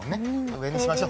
上にしましょう。